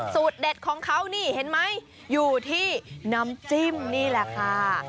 เด็ดของเขานี่เห็นไหมอยู่ที่น้ำจิ้มนี่แหละค่ะ